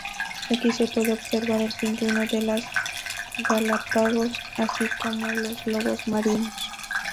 Aquí se puede observar el pingüino de las Galápagos, así como lobos marinos.